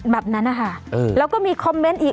แบบนั้นนะคะแล้วก็มีคอมเมนต์อีก